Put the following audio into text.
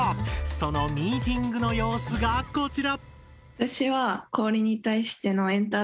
そのミーティングの様子がこちら！